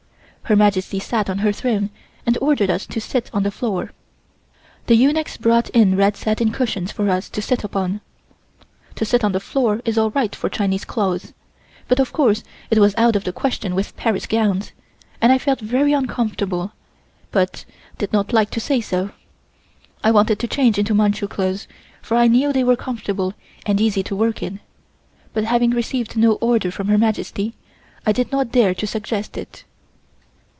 Her Majesty sat on her throne and ordered us to sit on the floor. The eunuchs brought in red satin cushions for us to sit upon. To sit on the floor is all right for Chinese clothes, but of course it was out of the question with Paris gowns, and I felt very uncomfortable, but did not like to say so. I wanted to change into Manchu clothes, for I knew they were comfortable and easy to work in, but having received no order from Her Majesty, I did not dare to suggest it.